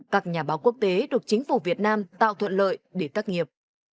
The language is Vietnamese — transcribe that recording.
các nhà báo quốc tế được chính phủ việt nam tạo thuận lợi để tác nghiệp